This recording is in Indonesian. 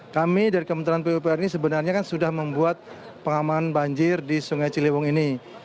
kami dari kementerian pupr ini sebenarnya kan sudah membuat pengaman banjir di sungai ciliwung ini